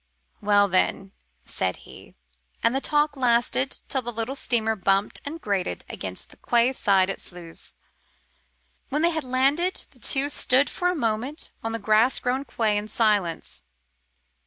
"Well, then," said he, and the talk lasted till the little steamer bumped and grated against the quay side at Sluys. When they had landed the two stood for a moment on the grass grown quay in silence.